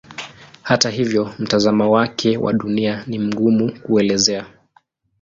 Hata hivyo mtazamo wake wa Dunia ni mgumu kuelezea.